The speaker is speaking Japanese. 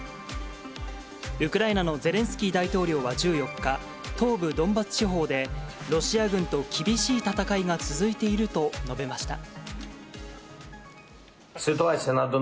ウクライナのゼレンスキー大統領は１４日、東部ドンバス地方で、ロシア軍と厳しい戦いが続いていると述べました。